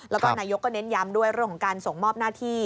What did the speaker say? แล้วก็นายกก็เน้นย้ำด้วยเรื่องของการส่งมอบหน้าที่